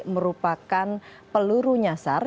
merupakan peluru nyasar